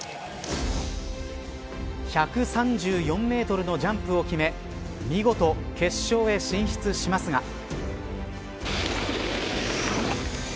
１３４メートルのジャンプを決め見事、決勝へ進出しますが。